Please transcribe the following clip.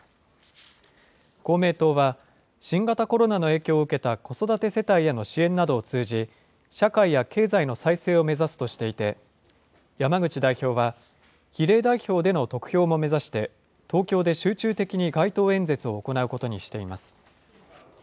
公明党は、新型コロナの影響を受けた子育て世帯への支援などを通じ、社会や経済の再生を目指すとしていて、山口代表は、比例代表での得票も目指して、東京で集中的に街頭演説を行うことにしています。